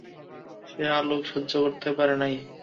সে আলোক সহ্য করিতে পারে নাই।